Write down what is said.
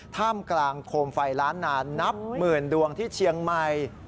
ท่ามกลางโคมไฟล้านนานนับหมื่นดวงที่เชียงใหม่